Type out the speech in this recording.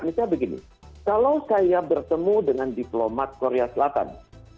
misalnya begini kalau saya bertemu dengan diplomat korea selatan